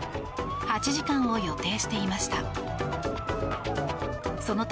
８時間を予定していました。